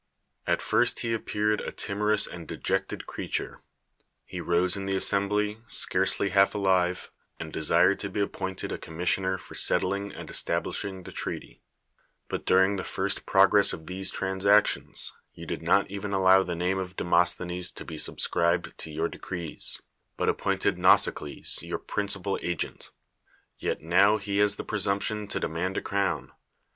At tirst he appeared a timorous and dejected creature: he rose in the assembly, scarcely half alive, and desired to be appointed a commissioner for settling and establishing the treaty, but during the lirst progress of these transactions you did not even allow the name of Demosthenes to be subscribed to your decrees, but appointed Xau sielfs your principal agent; yet now he has the P"tMi:u])tion to demand a crown.